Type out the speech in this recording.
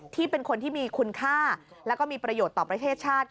เป็นคนที่มีคุณค่าแล้วก็มีประโยชน์ต่อประเทศชาติ